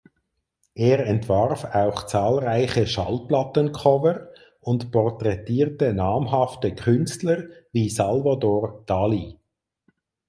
Er entwarf auch zahlreiche Schallplattencover und porträtierte namhafte Künstler wie Salvador Dali.